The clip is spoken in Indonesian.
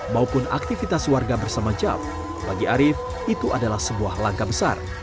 maupun aktivitas warga bersama jav bagi arief itu adalah sebuah langkah besar